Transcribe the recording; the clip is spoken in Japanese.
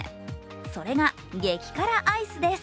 それが激辛アイスです。